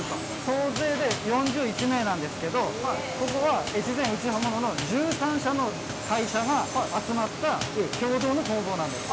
総勢で４１名なんですけど、ここは越前打刃物の１３社の会社が集まった共同の工房なんです。